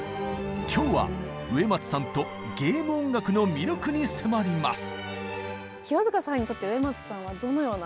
今日は植松さんとゲーム音楽の魅力に迫ります！